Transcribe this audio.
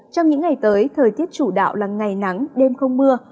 trong những ngày tới thời tiết chủ đạo là ngày nắng đêm không mưa